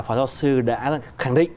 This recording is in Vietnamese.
phó giáo sư đã khẳng định